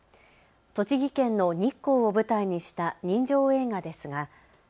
栃木県の日光を舞台にした人情映画ですが。